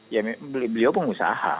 ya beliau pengusaha